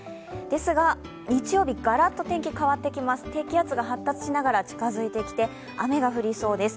ですが日曜日、ガラッと天気変わってきます、低気圧が発達しながら近づいてきて、雨が降りそうです。